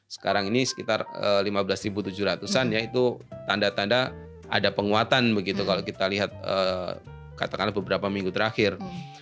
sekarang ini sekitar lima belas tujuh ratus an ya itu tanda tanda ada penguatan begitu kalau kita lihat katakanlah beberapa minggu terakhir